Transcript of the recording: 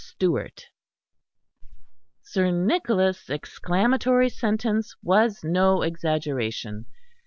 STEWART Sir Nicholas' exclamatory sentence was no exaggeration.